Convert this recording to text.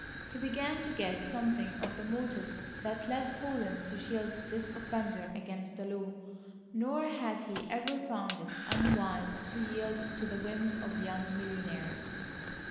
He began to guess something of the motives that led Holland to shield this offender against the law, nor had he ever found it unwise to yield to the whims of young millionaires.